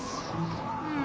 うん。